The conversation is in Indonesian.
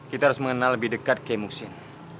kita harus mengenal lebih dekat keimu sen